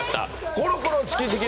コロコロチキチキ